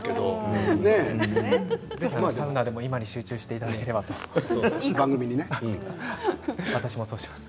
サウナでも、今に集中していただければと思います。